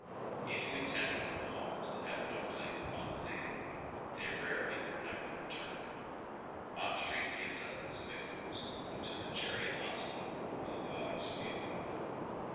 Easily tempted from homes that have no claim upon the name, they rarely or never return. Mott Street gives np its victims only to the Charity Hospital or tlie Potter's Field.